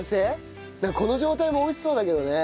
この状態も美味しそうだけどね。